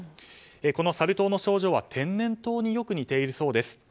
このサル痘の症状は天然痘によく似ているそうです。